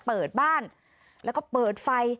เปิดบ้านแล้วก็เปิดไฟ